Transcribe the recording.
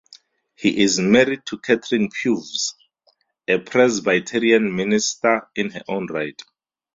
He is married to Catherine Purves, a Presbyterian minister in her own right.